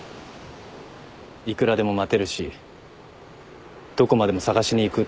いくらでも待てるしどこまでも捜しに行くって。